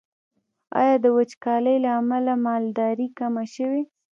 آیا د وچکالۍ له امله مالداري کمه شوې؟